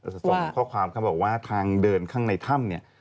ส่งข้อความเขาบอกว่าทางเดินข้างในถ้ำเนี่ย